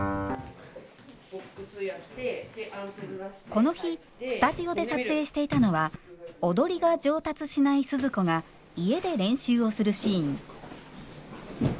この日スタジオで撮影していたのは踊りが上達しないスズ子が家で練習をするシーン。